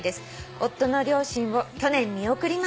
「夫の両親を去年見送りました」